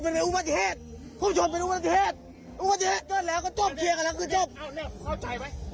ต้องมาต้อยผมเรื่องอะไร